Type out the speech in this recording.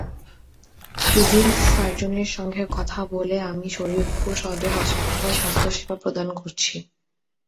Civil সার্জনের সঙ্গে কথা বলে আমি শরীয়তপুর সদর হাসপাতালে স্বাস্থ্যসেবা প্রদান করছি।